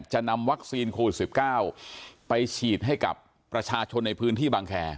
นำวัคซีนโควิด๑๙ไปฉีดให้กับประชาชนในพื้นที่บางแคร์